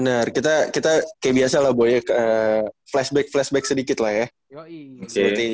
benar kita kayak biasa lah boyak flashback flashback sedikit lah ya